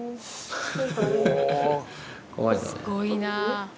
すごいな。